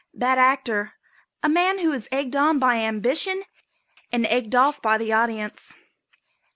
BAD ACTOR. A man who is egged on by ambition and egged off by the audience.